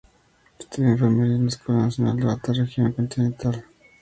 Estudió enfermería en la Escuela Nacional de Bata, Región Continental de Guinea Ecuatorial.